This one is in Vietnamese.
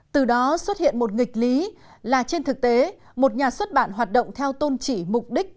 từ đó xuất hiện một nghịch lý là trên thực tế một nhà xuất bản hoạt động theo tôn chỉ mục đích